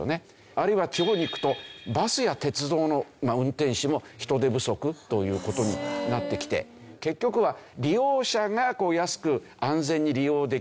あるいは地方に行くとバスや鉄道の運転手も人手不足という事になってきて結局は利用者が安く安全に利用できる。